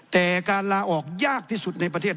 แต่การลาออกยากที่สุดในประเทศ